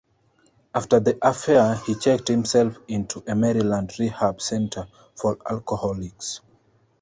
After the affair, he checked himself into a Maryland rehab center for alcoholics.